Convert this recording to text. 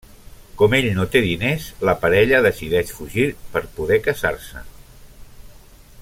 Com ell no té diners, la parella decideix fugir per poder casar-se.